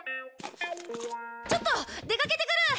ちょっと出かけてくる！